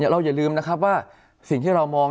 อย่าลืมนะครับว่าสิ่งที่เรามอง